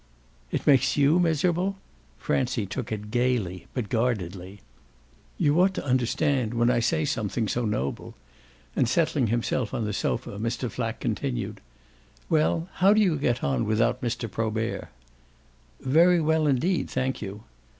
"It makes you miserable?" Francie took it gaily but guardedly. "You ought to understand when I say something so noble." And settling himself on the sofa Mr. Flack continued: "Well, how do you get on without Mr. Probert?" "Very well indeed, thank you."